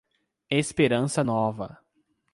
Esperança Nova